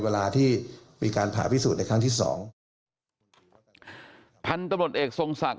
เวลาที่มีการผ่าพิสูจน์ในครั้งที่สองพันตำรวจเอกทรงศักดิ